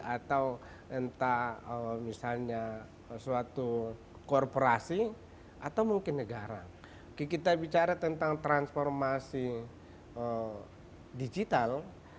atau entah misalnya suatu korporasi atau mungkin negara kita bicara tentang transformasi digital